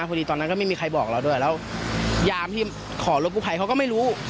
พอดีตอนนั้นก็ไม่มีใครบอกเราด้วยแล้วยามที่ขอรถกู้ภัยเขาก็ไม่รู้